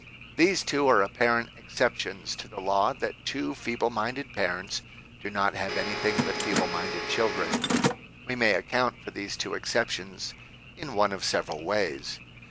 These two are apparent exceptions to the law that two feeble minded parents do not have anything but feeble minded children. We may account for these two exceptions in one of several ways.